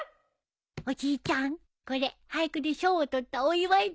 おじいちゃんこれ俳句で賞を取ったお祝いだよ。